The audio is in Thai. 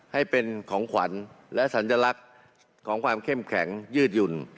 ให้เป็นของขวัญและสัญลักษณ์ของความเข้มแข็งยืดหยุ่น